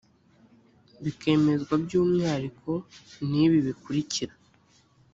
bikemezwa by umwihariko n ibi bikurikira